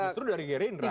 justru dari geri indra ini